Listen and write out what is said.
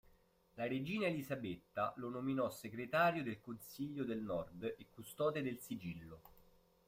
La Regina Elisabetta lo nominò Segretario del Consiglio del Nord e Custode del Sigillo.